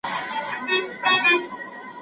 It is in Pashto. که وغواړې زه کولای سم.